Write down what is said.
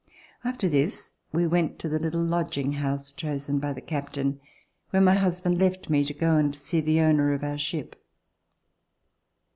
After this, we went to the little lodging house chosen by the captain, where my husband left me to go and see the owner of our ship.